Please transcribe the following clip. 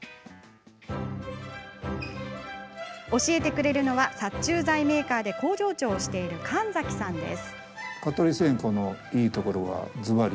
教えてくれるのは殺虫剤メーカーで工場長をしている神崎さんです。